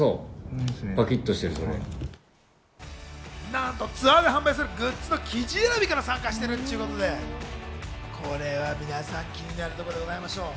なんとツアーで販売するグッズの生地選びから参加してるっちゅうことで、これは皆さん、気になるところでございましょう。